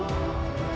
dan juga ibu